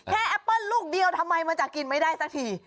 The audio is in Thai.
แอปเปิ้ลลูกเดียวทำไมมันจะกินไม่ได้สักที